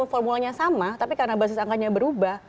formulanya sama tapi karena basis angkanya berubah